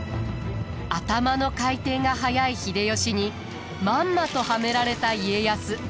頭の回転が速い秀吉にまんまとはめられた家康。